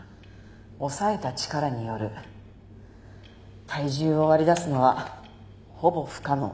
押さえた力による体重を割り出すのはほぼ不可能。